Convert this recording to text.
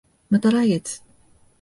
また来月